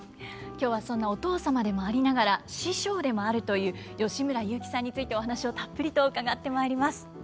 今日はそんなお父様でもありながら師匠でもあるという吉村雄輝さんについてお話をたっぷりと伺ってまいります。